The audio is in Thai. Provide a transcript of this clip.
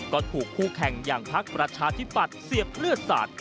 ก็ถูกคู่แข่งอย่างพักประชาธิปัตย์เสียบเลือดสาด